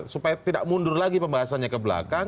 supaya tidak mundur lagi pembahasannya ke belakang